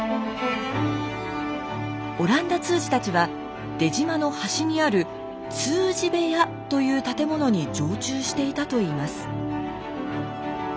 阿蘭陀通詞たちは出島の端にある「通詞部屋」という建物に常駐していたといいます。